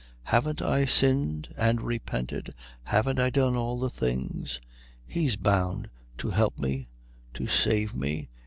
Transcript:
Haven't I sinned and repented? Haven't I done all the things? He's bound to help me, to save me.